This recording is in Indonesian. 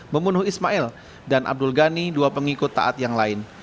membunuh ismail dan abdul ghani dua pengikut taat yang lain